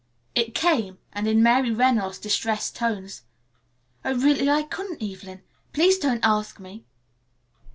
It came, and in Mary Reynolds' distressed tones. "Oh, really, I couldn't, Evelyn. Please, please don't ask me."